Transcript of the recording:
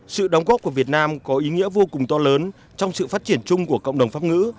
sự đóng góp của việt nam có ý nghĩa vô cùng to lớn trong sự phát triển chung của cộng đồng pháp ngữ